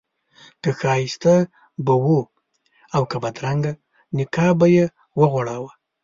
که ښایسته به و او که بدرنګه نقاب به یې غوړاوه.